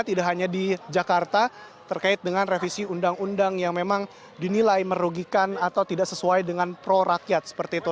tidak hanya di jakarta terkait dengan revisi undang undang yang memang dinilai merugikan atau tidak sesuai dengan pro rakyat seperti itu